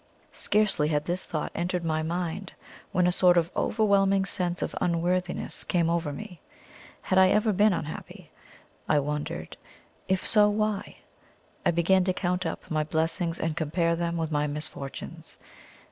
Scarcely had this thought entered my mind when a sort of overwhelming sense of unworthiness came over me. Had I ever been unhappy? I wondered. If so, why? I began to count up my blessings and compare them with my misfortunes.